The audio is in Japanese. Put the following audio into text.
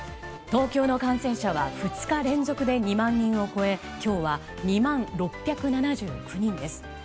東京の感染者は２日連続で２万人を超え今日は２万６７９人です。